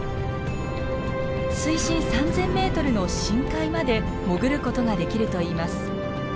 水深３，０００ｍの深海まで潜ることができるといいます。